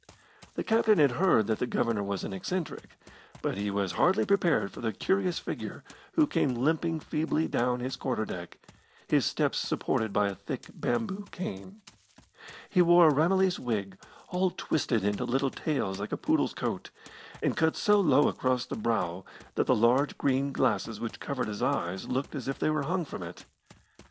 The captain had heard that the Governor was an eccentric, but he was hardly prepared for the curious figure who came limping feebly down his quarter deck, his steps supported by a thick bamboo cane. He wore a Ramillies wig, all twisted into little tails like a poodle's coat, and cut so low across the brow that the large green glasses which covered his eyes looked as if they were hung from it.